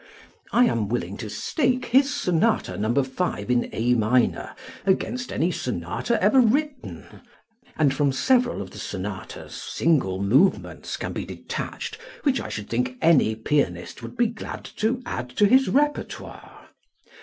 I am willing to stake his sonata No. 5, in A minor, against any sonata ever written, and from several of the sonatas single movements can be detached which I should think any pianist would be glad to add to his repertoire.